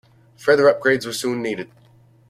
Further upgrades were soon needed.